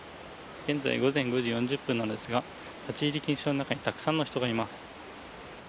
現在午前４時４０分なんですが立ち入り禁止の中にたくさんの人がいます。